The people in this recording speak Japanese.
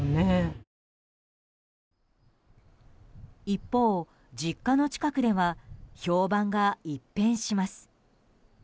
一方、実家の近くでは評判が一変します。